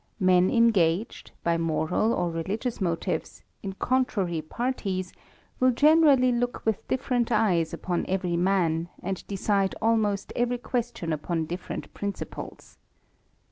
Men engaged, by moral or religious motives, in contrary parties, will generally look with different eyes upon every man, and decide almost every question upon different principles.